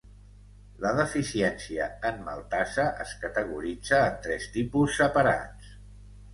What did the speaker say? La deficiència en maltasa es categoritza en tres tipus separats.